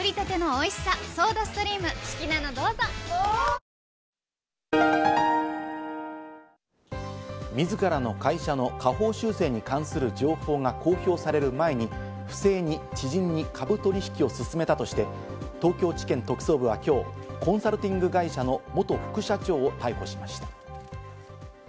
日経平均株価自らの会社の下方修正に関する情報が公表される前に不正に知人に株取引をすすめたとして、東京地検特捜部はきょうコンサルティング会社の元副社長を逮捕しました。